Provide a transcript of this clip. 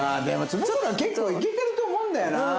でも坪倉結構いけてると思うんだよな。